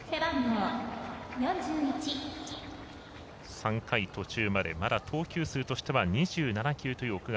３回途中までまだ投球数としては２７球という奥川。